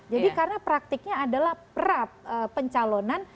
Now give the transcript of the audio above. jadi karena praktiknya adalah perap pencalonan